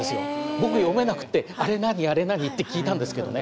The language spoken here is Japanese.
僕読めなくて「あれ何？あれ何？」って聞いたんですけどね。